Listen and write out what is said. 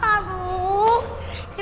kenapa harus aku sih